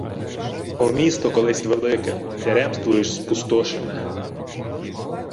О місто, колись велике! Ти ремствуєш, спустошене